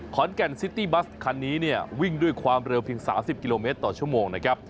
นซินซิตี้บัสคันนี้เนี่ยวิ่งด้วยความเร็วเพียง๓๐กิโลเมตรต่อชั่วโมงนะครับ